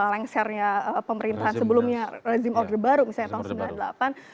lengsernya pemerintahan sebelumnya rezim order baru misalnya tahun seribu sembilan ratus sembilan puluh delapan